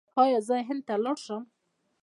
ایا زه هند ته لاړ شم؟